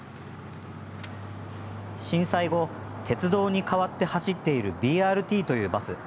震災後、鉄道に代わって走っているＢＲＴというバス。